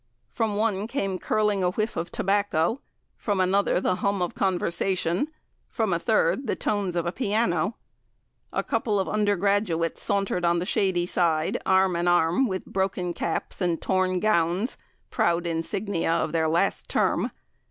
From one came curling a whiff of tobacco; from another the hum of conversation; from a third the tones of a piano. A couple of undergraduates sauntered on the shady side, arm in arm, with broken caps and torn gowns proud insignia of their last term.